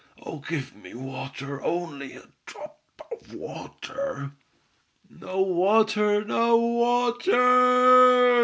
Oh give me water, only a drop of water!" "No water! No water!"